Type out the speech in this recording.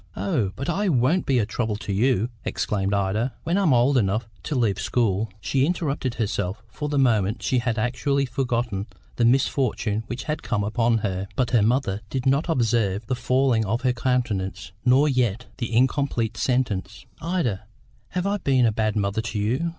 "Oh, but I won't be a trouble to you," exclaimed Ida. "When I'm old enough to leave school " She interrupted herself, for the moment she had actually forgotten the misfortune which had come upon her. But her mother did not observe the falling of her countenance, nor yet the incomplete sentence. "Ida, have I been a bad mother to you?"